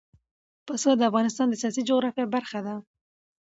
پسه د افغانستان د سیاسي جغرافیه برخه ده.